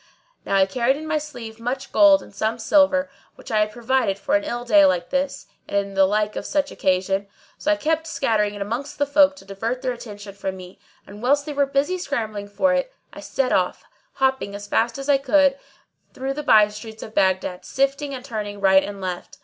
Now I carried in my sleeve much gold and some silver, which I had provided for an ill day like this and the like of such occasion; so I kept scattering it amongst the folk to divert their attention from me and, whilst they were busy scrambling for it, I set off, hopping as fast as I could, through the by streets of Baghdad, shifting and turning right and left.